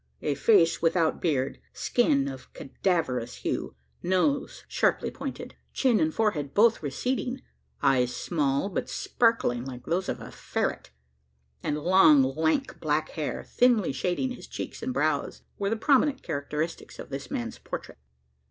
A face without beard skin of cadaverous hue nose sharply pointed chin and forehead both receding eyes small, but sparkling like those of a ferret and long lank black hair, thinly shading his cheeks and brows were the prominent characteristics of this man's portrait.